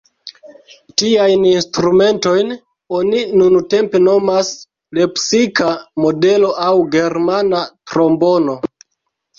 Tiajn instrumentojn oni nuntempe nomas "lepsika modelo" aŭ "germana trombono".